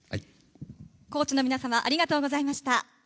コーチの皆様ありがとうございました。